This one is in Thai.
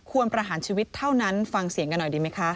ประหารชีวิตเท่านั้นฟังเสียงกันหน่อยดีไหมคะ